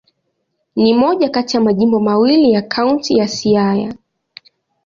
Ni moja kati ya majimbo mawili ya Kaunti ya Siaya.